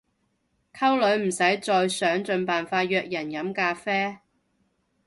溝女唔使再想盡辦法約人飲咖啡